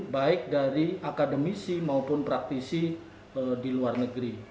baik dari akademisi maupun praktisi di luar negeri